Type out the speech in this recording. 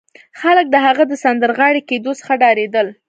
خلک د هغه د سندرغاړي کېدو څخه ډارېدل